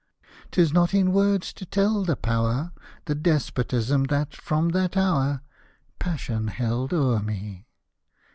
Tis not in words to tell the power, The despotism that, from that hour Passion held o'er me.